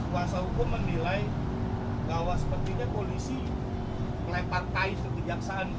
kuasa hukum menilai bahwa sepertinya polisi melepaskan kejaksaan